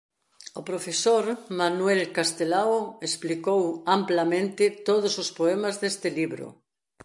O profesor Manuel Castelao explicou amplamente todos os poemas deste libro.